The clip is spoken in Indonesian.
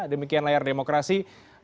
demikian layar demokrasi